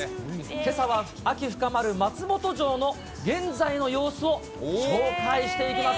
けさは秋深まる松本城の現在の様子をご紹介していきます。